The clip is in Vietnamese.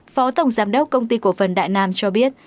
phó tổng giám đốc công ty cổ phần đại nam cho biết